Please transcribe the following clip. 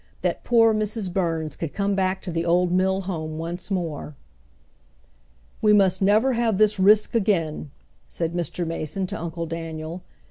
That poor Mrs. Burns could come back to the old mill home once more! "We must never have this risk again," said Mr. Mason to Uncle Daniel.